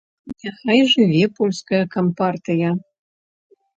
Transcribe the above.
Няхай жыве польская кампартыя.